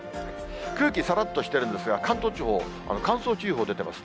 空気、さらっとしているんですが、関東地方、乾燥注意報出てます。